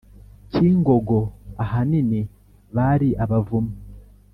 cyingogo, ahanini bari abavumyi.